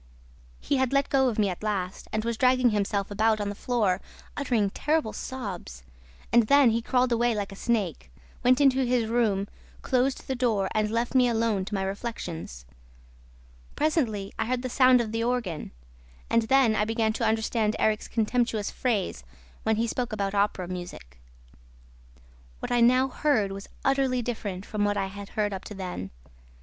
"He had let go of me at last and was dragging himself about on the floor, uttering terrible sobs. And then he crawled away like a snake, went into his room, closed the door and left me alone to my reflections. Presently I heard the sound of the organ; and then I began to understand Erik's contemptuous phrase when he spoke about Opera music. What I now heard was utterly different from what I had heard up to then.